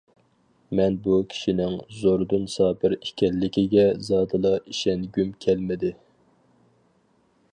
مەن بۇ كىشىنىڭ زوردۇن سابىر ئىكەنلىكىگە زادىلا ئىشەنگۈم كەلمىدى.